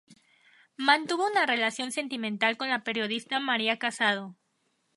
Mantuvo una relación sentimental con la periodista María Casado.